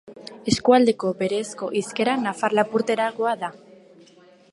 Eskualdeko berezko hizkera nafar-lapurterakoa da.